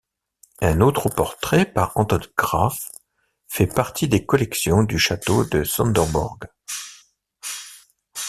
Un autre portrait, par Anton Graff, fait partie des collections du château de Sønderborg.